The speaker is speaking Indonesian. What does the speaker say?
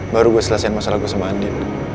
baru gue selesaikan masalah gue sama andi